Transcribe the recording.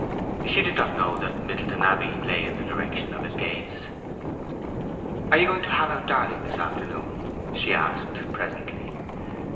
She did not know that Middleton Abbey lay in the direction of his gaze. "Are you going to have out Darling this afternoon?" she asked, presently.